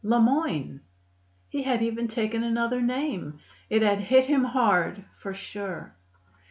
"Le Moyne!" He had even taken another name. It had hit him hard, for sure.